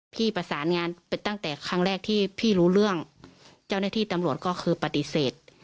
พี่ประสานงานไปตั้งแต่ครั้งแรกที่พี่รู้เรื่องเจ้าหน้าที่ตำรวจก็คือปฏิเสธ